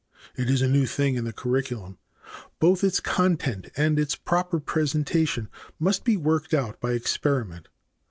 It is a new thing in the curriculum. Both its content and its proper presentation must be worked out by experiment.